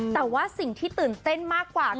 แต่ว่าสิ่งที่ตื่นเต้นมากกว่า